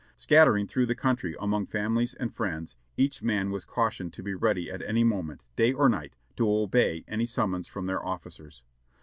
Scattering through the country among families and friends, each man was cautioned to be ready at any moment, day or night, to obey any summons from their officers.